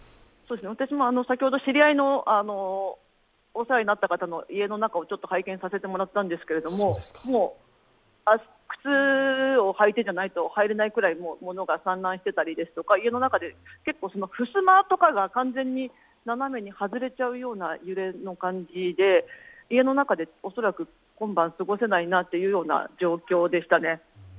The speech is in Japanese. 私も先ほど知り合いのお世話になった方の家の中を拝見させてもらったんですけどもう靴を履いてじゃないと入れないぐらい物が散乱していたりとか家の中で、ふすまとかが完全に斜めに外れちゃうような揺れの感じで、家の中で恐らく今晩過ごせないなという状況でしたね。